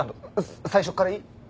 最初からいい？